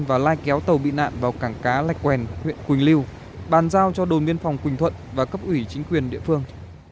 và lai kéo tàu bị nạn vào cảng cá lạch quèn huyện quỳnh lưu bàn giao cho đồn biên phòng quỳnh thuận và cấp ủy chính quyền địa phương